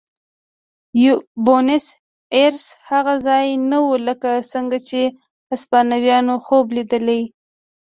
بونیس ایرس هغه ځای نه و لکه څنګه چې هسپانویانو خوب لیدلی.